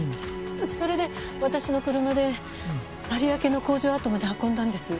それで私の車で有明の工場跡まで運んだんです。